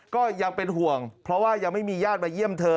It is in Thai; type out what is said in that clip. ก็ยังเป็นห่วงเพราะว่ายังไม่มีญาติมาเยี่ยมเธอ